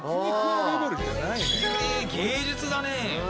芸術だね。